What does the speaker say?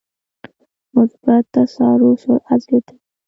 مثبت تسارع سرعت زیاتوي.